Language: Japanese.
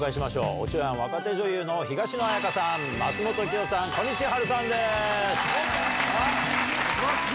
おちょやん、若手女優の東野絢香さん、松本妃代さん、小西はるさんです。